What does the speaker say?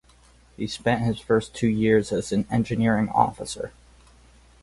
He spent his first two years as an engineering officer.